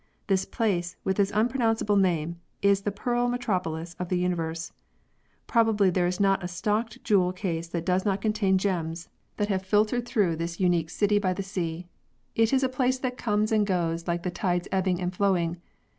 This place, with its un pronounceable name, is the pearl metropolis of the universe. Probably there is not a stocked jewel case that does not contain gems that have filtered 78 PEARLS [CH. through this unique city by the sea. It is a place that comes and goes like the tide's ebbing and flow ing.